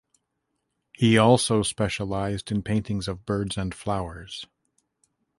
He also specialized in paintings of birds and flowers.